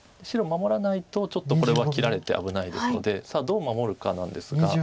白守らないとちょっとこれは切られて危ないですのでさあどう守るかなんですが。